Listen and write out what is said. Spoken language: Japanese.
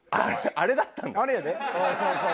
あれだったんだ。